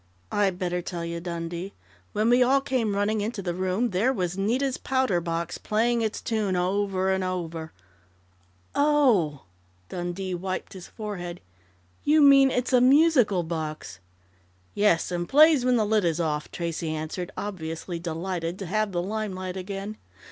"I'd better tell you, Dundee.... When we all came running into the room, there was Nita's powder box playing its tune over and over " "Oh!" Dundee wiped his forehead. "You mean it's a musical box?" "Yes, and plays when the lid is off," Tracey answered, obviously delighted to have the limelight again.